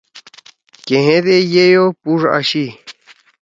کنہید اے یِئی او پُوڙ آشی۔